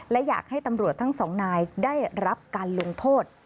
และอยากให้ตำรวจทั้งสองนายได้รับการลงโทษ